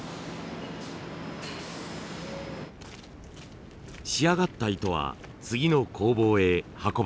仕上がった糸は次の工房へ運ばれます。